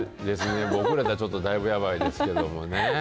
僕らやったら、だいぶやばいですけれどもね。